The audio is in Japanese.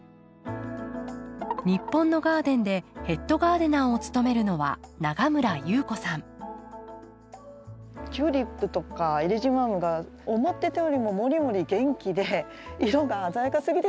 日本のガーデンでヘッドガーデナーを務めるのはチューリップとかエリシマムが思ってたよりももりもり元気で色が鮮やかすぎてですね